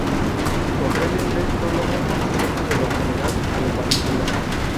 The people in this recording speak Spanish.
Comprende tres prólogos, yendo de lo general a lo particular.